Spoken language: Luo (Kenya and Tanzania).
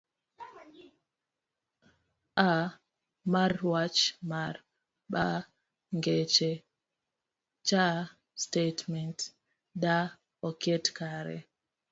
A. mar Wach mar B. Ngeche C. Statement D. oket kare